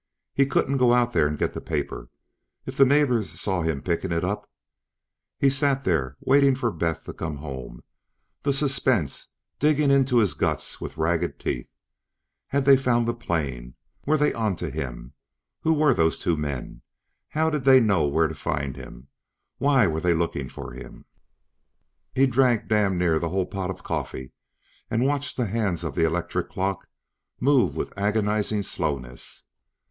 He couldn't go out there and get the paper if the neighbors saw him picking it up ... He sat there, waiting for Beth to come home, the suspense digging into his guts with ragged teeth. Had they found the plane? Were they onto him? Who were those two men? How did they know where to find him? Why were they looking for him? He drank damned near the whole pot of coffee and watched the hands of the electric clock move with agonizing slowness.